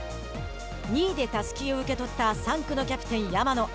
２位でたすきを受け取った３区のキャプテン山野。